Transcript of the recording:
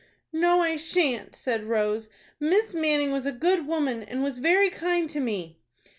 "No, I shan't," said Rose. "Miss Manning was a good woman, and was very kind to me."